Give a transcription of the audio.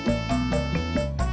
tidak ada yang bisa dihukum